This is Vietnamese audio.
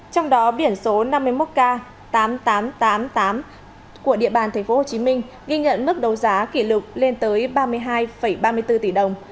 trong đó biển số năm mươi một k tám nghìn tám trăm tám mươi tám của địa bàn tp hcm ghi nhận mức đấu giá kỷ lục lên tới ba mươi hai ba mươi bốn tỷ đồng